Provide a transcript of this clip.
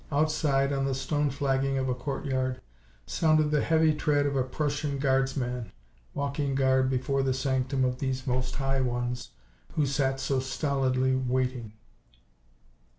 Outside, on the stone flagging of a courtyard, sounded the heavy tread of a Prussian Guardsman walking guard before the sanctum of these "Most High" ones who sat so stolidly waiting.